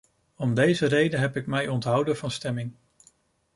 Om deze reden heb ik mij onthouden van stemming.